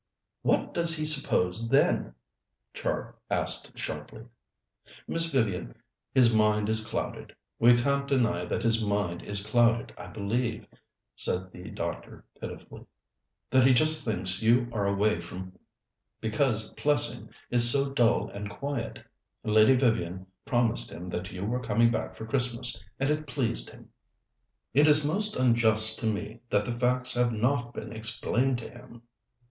"What does he suppose, then?" Char asked sharply. "Miss Vivian, his mind is clouded. We can't deny that his mind is clouded. I believe," said the doctor pitifully, "that he just thinks you are away because Plessing is so dull and quiet. Lady Vivian promised him that you were coming back for Christmas, and it pleased him." "It is most unjust to me that the facts have not been explained to him."